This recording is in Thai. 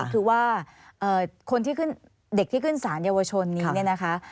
คือว่าเด็กที่ขึ้นศาลยาวชนนี้นะคะ